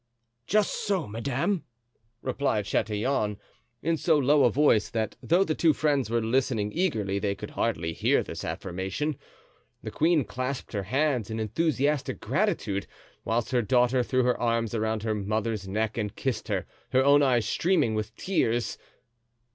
"Just so madame," replied Chatillon, in so low a voice that though the two friends were listening eagerly they could hardly hear this affirmation. The queen clasped her hands in enthusiastic gratitude, whilst her daughter threw her arms around her mother's neck and kissed her—her own eyes streaming with tears.